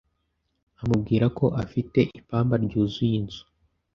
amubwira ko afite ipamba ryuzuye inzu